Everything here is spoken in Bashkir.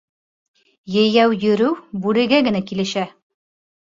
Йәйәү йөрөү бүрегә генә килешә.